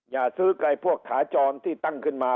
อย่าซื้อไกลพวกขาจรที่ตั้งขึ้นมา